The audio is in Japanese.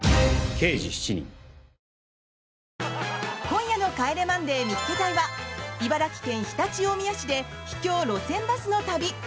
今夜の「帰れマンデー見っけ隊！！」は茨城県常陸大宮市で秘境路線バスの旅。